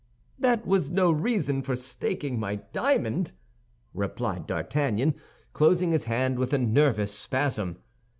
"That was no reason for staking my diamond!" replied D'Artagnan, closing his hand with a nervous spasm.